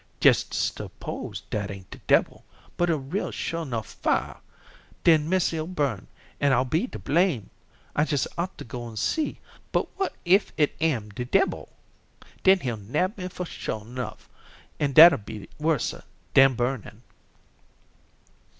"Jes' s'pose dat ain't de debbil, but a real shure nuff fire. Den missy'll burn, an' I'll be to blame. I jes' ought to go an' see, but what if it am de debbil? Den he'll hab me sure nuff, an' dat'd be worser dan burnin'."